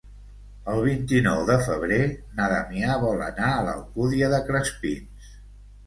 El vint-i-nou de febrer na Damià vol anar a l'Alcúdia de Crespins.